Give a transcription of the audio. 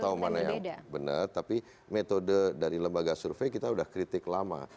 tahu mana yang benar tapi metode dari lembaga survei kita sudah kritik lama